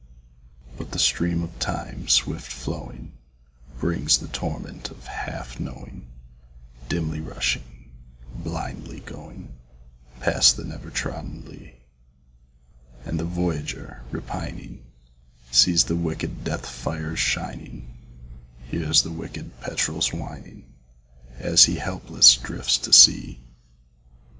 But the stream of Time, swift flowing, Brings the torment of half knowing Dimly rushing, blindly going Past the never trodden lea; And the voyager, repining, Sees the wicked death fires shining, Hears the wicked petrel's whining As he helpless drifts to sea.